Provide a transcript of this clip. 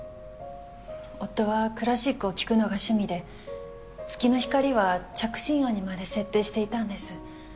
夫はクラシックを聴くのが趣味で『月の光』は着信音にまで設定していたんです。